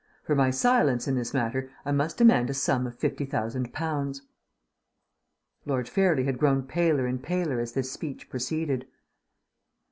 For my silence in this matter I must demand a sum of fifty thousand pounds." Lord Fairlie had grown paler and paler as this speech proceeded.